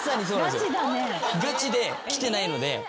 ガチできてないので。